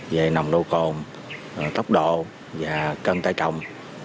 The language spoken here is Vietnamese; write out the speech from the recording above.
về nồng đồ cồn tốc độ và cân tải trọng